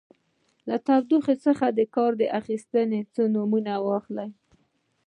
له تودوخې څخه د کار اخیستنې څو نومونه واخلئ.